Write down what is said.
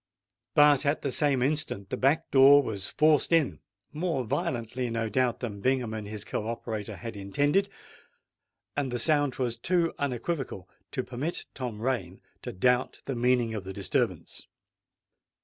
But at the same instant the back door was forced in;—more violently, no doubt, than Bingham and his co operator had intended; and the sound was too unequivocal to permit Tom Rain to doubt the meaning of the disturbance.